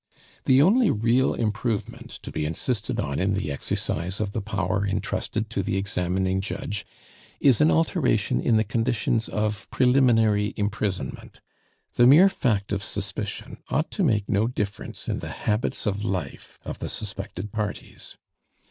The only real improvement to be insisted on in the exercise of the power intrusted to the examining judge, is an alteration in the conditions of preliminary imprisonment. The mere fact of suspicion ought to make no difference in the habits of life of the suspected parties.